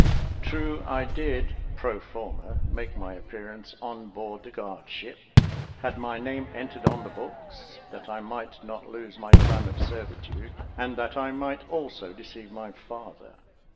True I did, pro formâ, make my appearance on board the guard ship, had my name entered on the books, that I might not lose my time of servitude, and that I might also deceive my father.